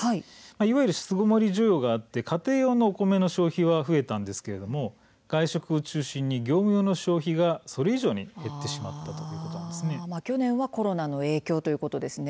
いわゆる、巣ごもり需要があって家庭用のお米の消費は増えたんですけれども外食を中心に業務用の消費がそれ以上に減ってしまった去年はコロナの影響ということですね。